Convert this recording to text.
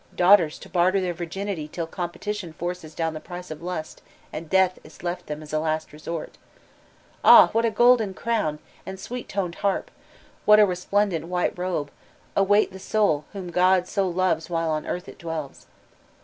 daughters to barter their virginity till competition foroes down the price of lust and death is left tfiem as a lui resort Ah, what a golden crown, and sweet ^ooed harp^ what a resplendent whit robe, await the soul whom so God loves while on the earth it dwells.